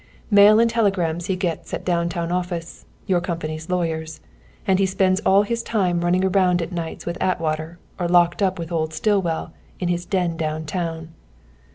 Mail and telegrams he gets at down town office, your company's lawyers. And he spends all his time running around at nights with Atwater or locked up with old Stillwell in his den down town.